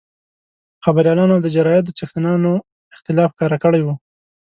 خبریالانو او د جرایدو څښتنانو اختلاف ښکاره کړی وو.